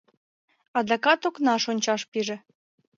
Адакат окнаш ончаш пиже.